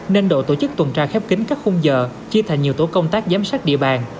nên đội tổ chức tuần tra khép kính các khung giờ chia thành nhiều tổ công tác giám sát địa bàn